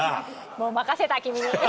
もう任せた君に。